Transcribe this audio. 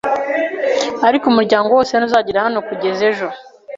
ariko umuryango wose ntuzagera hano kugeza ejo.